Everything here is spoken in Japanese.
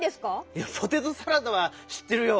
いや「ポテトサラダ」はしってるよ。